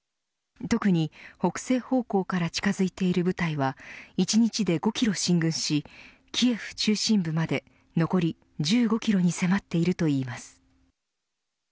特に北西方向から近づいている部隊は１日で５キロ進軍しキエフ中心部まで残り１５キロに迫っているといいます。